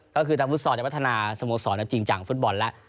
ก็คือทางฟุตซอลจะพัฒนาสโมสรจริงจังฟุตบอลแล้ว